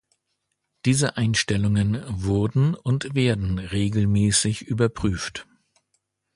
Diese Einstellungen wurden und werden regelmäßig überprüft.